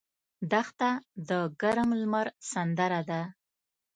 دښته د ګرم لمر سندره ده.